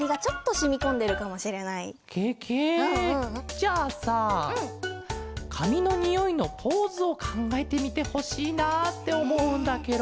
じゃあさかみのにおいのポーズをかんがえてみてほしいなっておもうんだケロ。